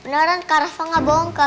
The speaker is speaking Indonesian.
beneran kak rafa gak bohong kak